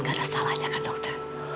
gak ada salahnya kan dokter